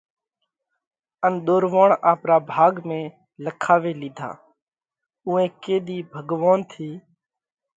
ان ۮورووڻ آپرا ڀاڳ ۾ لکاوي لِيڌا، اُوئي ڪِيۮي ڀڳوونَ ٿِي